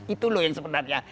itu yang sebenarnya